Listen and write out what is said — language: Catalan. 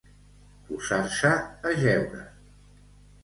Posar-se a jeure.